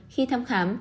khi thăm khám